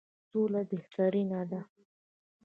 سوله بهتره ده.